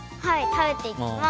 食べていきます。